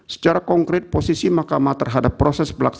secara konkret posisi mahkamah terhadap proses pelaksanaan